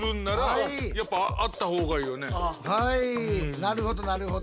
はいなるほどなるほど。